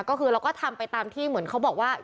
ก็คือเราก็ทำไปตามที่เหมือนเขาบอกว่า